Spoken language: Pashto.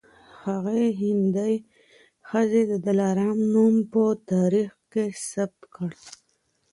هغې هندۍ ښځې د دلارام نوم په تاریخ کي ثبت کړی دی